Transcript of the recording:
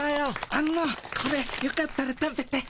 あのこれよかったら食べて。